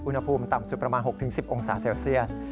อุณหภูมิต่ำสุดประมาณ๖๑๐องศาเซลเซียส